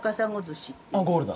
ゴールだ。